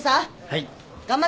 はい。